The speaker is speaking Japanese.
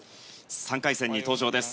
３回戦に登場です。